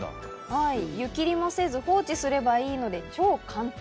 はい湯切りもせず放置すればいいので超簡単。